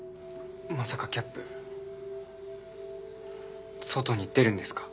まさかキャップ外に出るんですか？